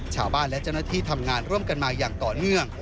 ชาวบ้านและเจ้าหน้าที่ทำงานร่วมกันมาอย่างต่อเนื่อง